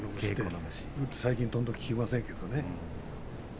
最近ほとんど聞きませんけれどね。